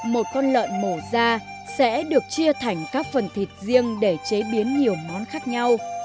một con lợn mổ ra sẽ được chia thành các phần thịt riêng để chế biến nhiều món khác nhau